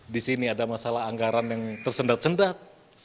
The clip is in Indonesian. di sini ada masalah anggaran yang tersendat sendat